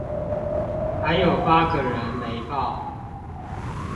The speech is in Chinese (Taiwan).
還有八個人沒報